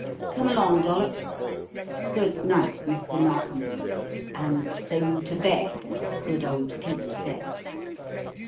Come along, Dollops. Good night, Mr. Narkom! 'And so, to bed,' as good old Pepys says."